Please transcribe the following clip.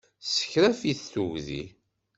Tessekref-it tugdi.